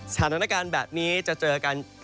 สถานการณ์แบบนี้จะเจอกันตั้งแต่วันนี้นะครับ